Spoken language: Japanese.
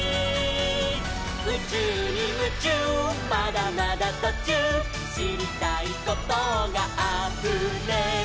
「うちゅうにムチューまだまだとちゅう」「しりたいことがあふれる」